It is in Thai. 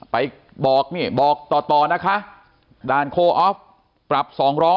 ไปบอกนี่บอกต่อนะคะด่านโคออฟปรับ๒๐๐